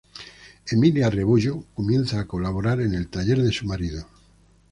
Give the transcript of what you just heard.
Emilia Rebollo comienza a colaborar en el taller de su marido.